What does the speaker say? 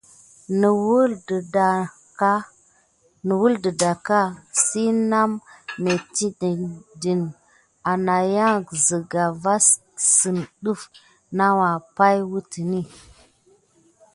Nawuye denaha si na mane metita di anayant sika vas si def nawa pay wumti.